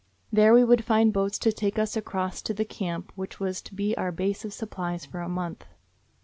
There we would find boats to take us across to the camp which was to be our base of supplies for a month.